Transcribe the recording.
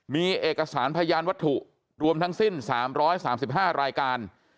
มีเอกสารพยานวัตถุรวมทั้งสิ้น๓๓๕รายการ